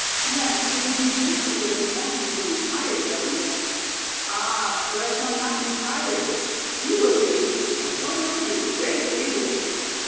"Yes, but the jiu jitsu doesn't help you when you're tired, does it?" "Ah, but I shall not be tired. You will see. Otoyo's feet great bigly."